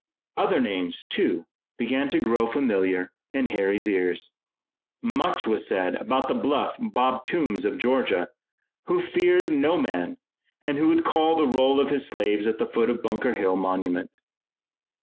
Other names, too, began to grow familiar in Harry's ears. Much was said about the bluff Bob Toombs of Georgia, who feared no man and who would call the roll of his slaves at the foot of Bunker Hill monument.